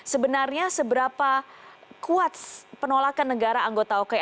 sebenarnya seberapa kuat penolakan negara anggota oki